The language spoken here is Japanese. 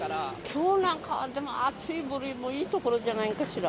きょうなんかでも、暑い部類もいいところじゃないかしら。